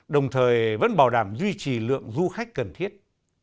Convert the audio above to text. đồng thời vẫn bảo đảm duy trì lượng du khách cần thiết